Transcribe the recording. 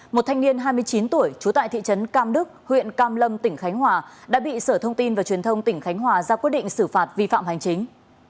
một thanh niên hai mươi chín tuổi trú tại thị trấn cam đức huyện cam lâm tỉnh khánh hòa đã bị sở thông tin và truyền thông tỉnh khánh hòa ra quyết định xử phạt vi phạm hành chính